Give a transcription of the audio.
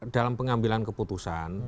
dalam pengambilan keputusan